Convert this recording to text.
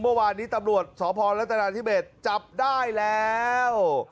เมื่อวานนี้ตำรวจสพรัฐนาธิเบสจับได้แล้ว